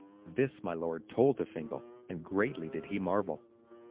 This my lord told to Fingal, and greatly did he marvel.